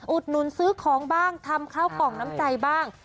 อุดหนุนซื้อของบ้างทำข้าวกล่องน้ำใจบ้าง